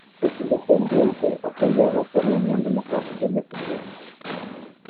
Es independiente apoyado por la Unión Demócrata Independiente.